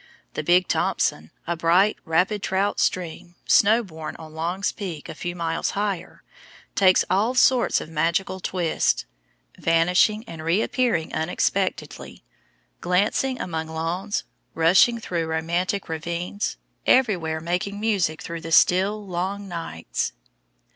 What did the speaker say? The Big Thompson, a bright, rapid trout stream, snow born on Long's Peak a few miles higher, takes all sorts of magical twists, vanishing and reappearing unexpectedly, glancing among lawns, rushing through romantic ravines, everywhere making music through the still, long nights.